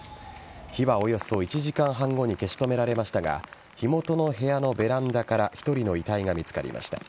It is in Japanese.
火はおよそ１時間半後に消し止められましたが火元の部屋のベランダから１人の遺体が見つかりました。